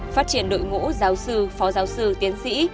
phát triển đội ngũ giáo sư phó giáo sư tiến sĩ